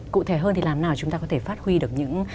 cụ thể hơn thì làm nào chúng ta có thể phát huy được những